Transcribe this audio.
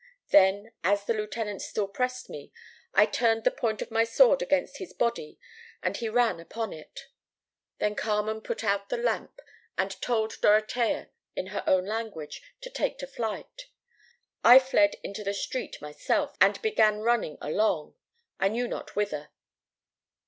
Then, as the lieutenant still pressed me, I turned the point of my sword against his body and he ran upon it. Then Carmen put out the lamp and told Dorotea, in her own language, to take to flight. I fled into the street myself, and began running along, I knew not whither.